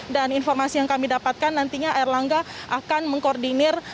dan informasi yang kami dapatkan nantinya air langga akan mengkoordinir